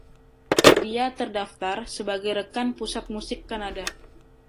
Dia terdaftar sebagai rekan Pusat Musik Kanada.